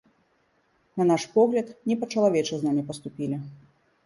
На наш погляд, не па-чалавечы з намі паступілі.